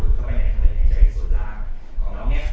พลึกเข้าไปในทางเดินในใจจากศูนย์ร่างของน้องเนี่ย